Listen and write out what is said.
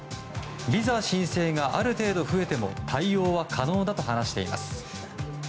ビザ申請がある程度増えても対応は可能だと話しています。